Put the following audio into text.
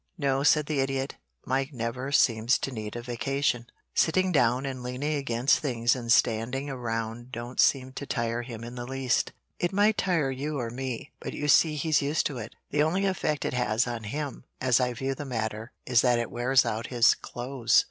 "No," said the Idiot. "Mike never seems to need a vacation. Sitting down and leaning against things and standing around don't seem to tire him in the least. It might tire you or me, but you see he's used to it. The only effect it has on him, as I view the matter, is that it wears out his clothes.